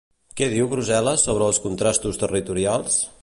Què diu Brussel·les sobre els contrastos territorials?